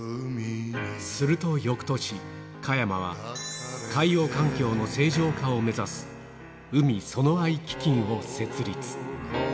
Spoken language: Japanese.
するとよくとし、加山は、海洋環境の清浄化を目指す、海その愛基金を設立。